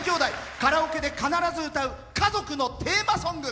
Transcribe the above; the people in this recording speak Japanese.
カラオケで必ず歌う家族のテーマソング。